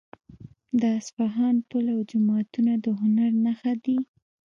د اصفهان پل او جوماتونه د هنر نښه دي.